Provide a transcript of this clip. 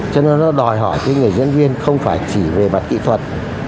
cho nên nó đòi hỏi cái người diễn viên không phải chỉ về mặt kỹ thuật